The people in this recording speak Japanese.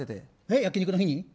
焼き肉の日に？